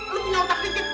lo punya otak dikit